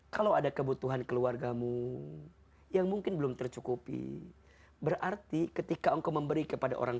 kalau ada kebutuhan keluargamu yang mungkin belum tercukupi berarti ketika engkau memberi kepada orang